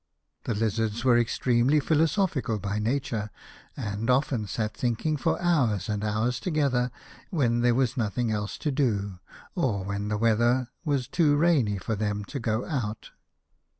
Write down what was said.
The Lizards were extremely philo sophical by nature, and often sat thinking for hours and hours together, when there was nothing else to do, or when the weather was too rainy for them to go out.